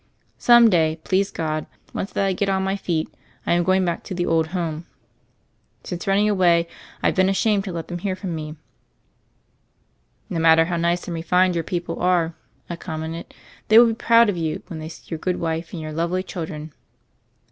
Some day, please God, once that I get on my feet, I'm going back to the aid home. Since running away, I've been ashamed to let them hear from me." "No matter how nice and refined your peo ple are," I commented, "they will be proud of you when they see your good wife and your lovely children."